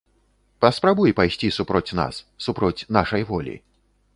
Паспрабуй пайсці супроць нас, супроць нашай волі.